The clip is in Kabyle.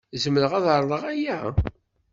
Zemreɣ ad ɛerḍeɣ aya?